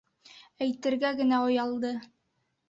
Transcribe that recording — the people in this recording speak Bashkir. Әйтергә генә оялды.